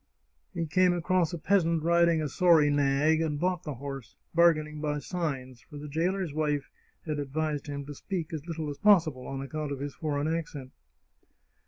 He came across a peasant riding a sorry nag, and bought the horse, bargaining by sig^s, for the jailer's wife 34 The Chartreuse of Parma had advised him to speak as little as possible, on account of his foreign accent.